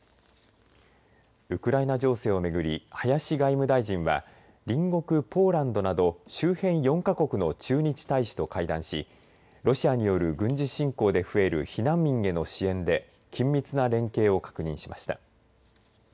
ウクライナ情勢をめぐり林外務大臣は隣国ポーランドなど周辺４か国の駐日大使と会談しロシアによる軍事侵攻で増える避難民への支援で緊密な連携を確認しました。